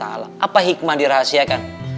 apa hikmah dirahasiakan